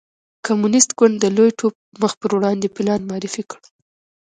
کمونېست ګوند د لوی ټوپ مخ په وړاندې پلان معرفي کړ.